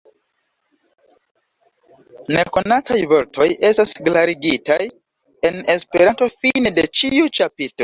Nekonataj vortoj estas klarigitaj en Esperanto fine de ĉiu ĉapitro.